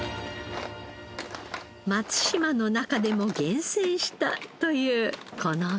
松島の中でも厳選したというこのカキ。